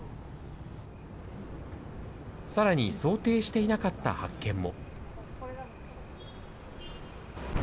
さらに想定していなかった発見も。